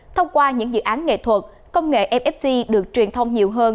thông qua những dự án nghệ thuật công nghệ mfc được truyền thông nhiều hơn